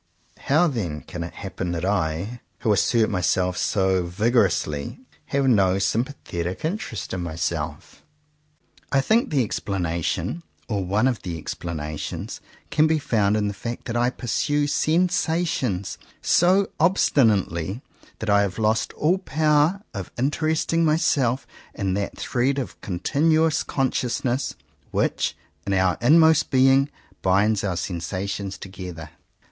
How then can it happen that I, who assert myself so vigorously, have no sympa thetic interest in myself.'' I think the ex 22 JOHN COWPER POWYS planation, or one of the explanations, can be found in the fact that I pursue sensations so obstinately that I have lost all power of interesting myself in that thread of con tinuous consciousness, which, in our inmost being, binds our sensations together.